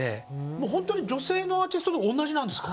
もうほんとに女性のアーティストと同じなんですか？